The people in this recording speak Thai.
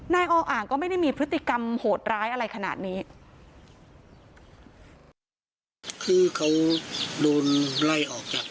นายออ่างก็ไม่ได้พฤติกรรมโหดร้ายอะไรขนาดนี้